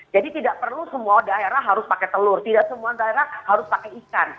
jadi tidak perlu semua daerah harus pakai telur tidak semua daerah harus pakai ikan